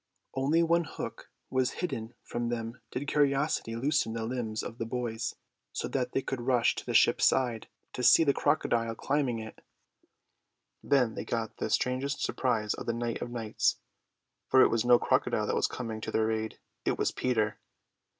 Only when Hook was hidden from them did curiosity loosen the limbs of the boys so that they could rush to the ship's side to see the crocodile climbing it. Then they got the strangest surprise of the Night of Nights; for it was no crocodile that was coming to their aid. It was Peter.